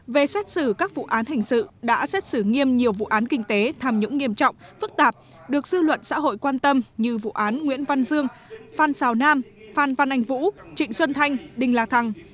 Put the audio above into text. về xét xử các vụ án hình sự đã xét xử nghiêm nhiều vụ án kinh tế tham nhũng nghiêm trọng phức tạp được dư luận xã hội quan tâm như vụ án nguyễn văn dương phan xào nam phan văn anh vũ trịnh xuân thanh đình là thăng